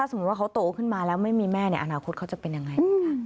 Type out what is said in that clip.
สมมุติว่าเขาโตขึ้นมาแล้วไม่มีแม่ในอนาคตเขาจะเป็นยังไง